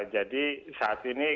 jadi saat ini